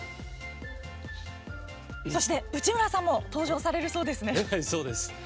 そして内村さんも登場されるそうですね。